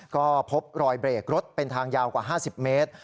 ก็พบรอยเบรกรถเป็นทางยาวกว่า๕๐เมตร